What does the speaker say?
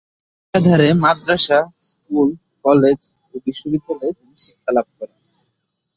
একাধারে মাদ্রাসা, school, college ও বিশ্ববিদ্যালয়ে তিনি শিক্ষা লাভ করেন।